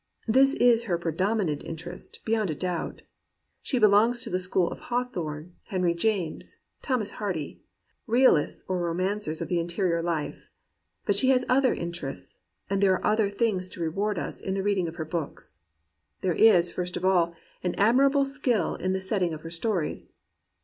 This is her predominant interest, beyond a doubt. She belongs to the school of Hawthorne, Henry James, Thomas Hardy — realists or ro mancers of the interior life. But she has other in terests; and there are other things to reward us in the reading of her books. ' 144 GEORGE ELIOT AND REAL WOMEN There is, first of all, an admirable skill in the set ting of her stories.